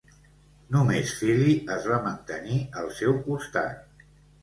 Només Fili, es va mantenir al seu costat.